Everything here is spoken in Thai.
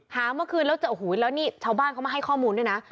เมื่อคืนแล้วจะโอ้โหแล้วนี่ชาวบ้านเขามาให้ข้อมูลด้วยนะ